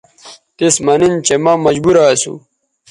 تِس مہ نِن چہءمہ مجبورہ اسُو